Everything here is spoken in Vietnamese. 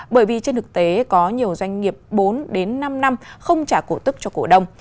bởi vì trên thực tế có nhiều doanh nghiệp bốn năm năm không trả cổ tức cho cổ đồng